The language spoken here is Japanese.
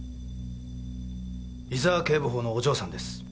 伊沢警部補のお嬢さんです。